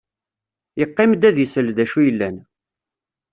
Yeqqim-d ad isel d acu yellan.